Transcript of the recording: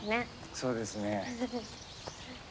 そうですね。